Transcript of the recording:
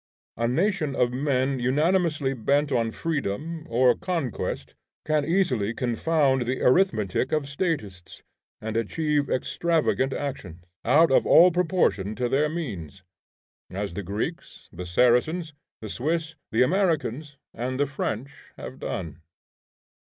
A nation of men unanimously bent on freedom or conquest can easily confound the arithmetic of statists, and achieve extravagant actions, out of all proportion to their means; as the Greeks, the Saracens, the Swiss, the Americans, and the French have done.